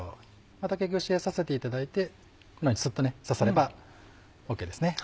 竹串で刺していただいてこのようにスッと刺さればＯＫですね。